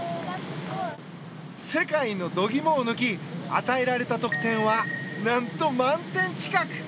世界の度肝を抜き与えられた得点は何と満点近く。